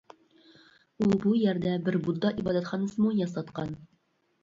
ئۇ بۇ يەردە بىر بۇددا ئىبادەتخانىسىمۇ ياساتقان.